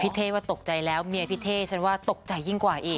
เท่ว่าตกใจแล้วเมียพี่เท่ฉันว่าตกใจยิ่งกว่าอีก